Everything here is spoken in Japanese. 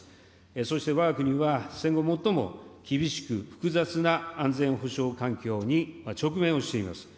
そしてわが国は、戦後、最も厳しく複雑な安全保障環境に直面をしています。